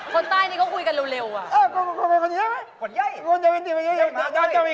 คนใต้นี่เขาคุยกันเร็วอ่ะ